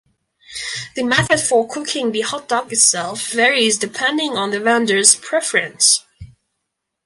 The method for cooking the hot dog itself varies depending on the vendor's preference.